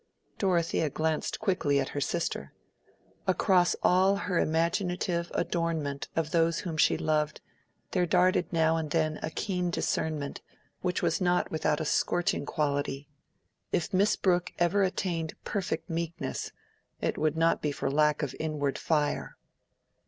Dorothea glanced quickly at her sister. Across all her imaginative adornment of those whom she loved, there darted now and then a keen discernment, which was not without a scorching quality. If Miss Brooke ever attained perfect meekness, it would not be for lack of inward fire.